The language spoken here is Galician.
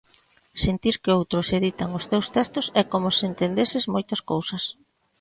Sentir que outros editan os teus textos e como se entendeses moitas cousas.